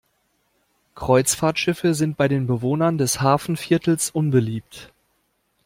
Kreuzfahrtschiffe sind bei den Bewohnern des Hafenviertels unbeliebt.